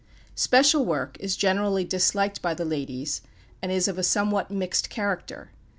"Special" work is generally disliked by the ladies, and is of a somewhat "mixed" character.